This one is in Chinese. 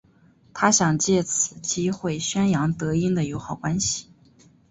他想借此机会宣扬德英的友好关系。